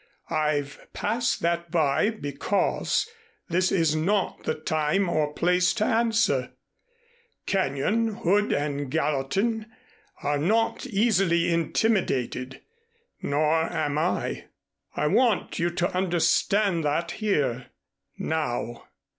I've passed that by, because this is not the time or place to answer. Kenyon, Hood and Gallatin are not easily intimidated nor am I. I want you to understand that here now."